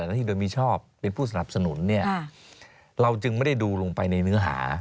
หน้าที่โดยมิชอบเป็นผู้สนับสนุนเนี่ยเราจึงไม่ได้ดูลงไปในเนื้อหา